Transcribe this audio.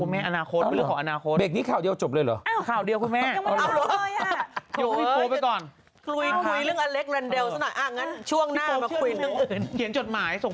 มันหายตัวตัวไปอย่าได้อยู่ในมือของฝ่ายหญิง